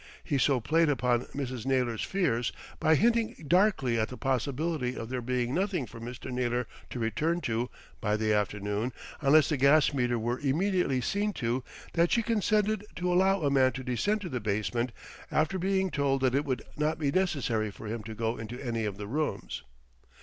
He so played upon Mrs. Naylor's fears by hinting darkly at the possibility of there being nothing for Mr. Naylor to return to by the afternoon, unless the gas meter were immediately seen to, that she consented to allow a man to descend to the basement after being told that it would not be necessary for him to go into any of the rooms.